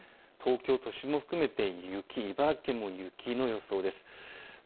東京都心も含めて雪、茨城県でも雪の予想です。